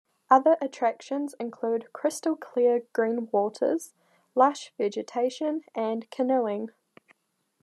Other attractions include crystal-clear green waters, lush vegetation and canoeing.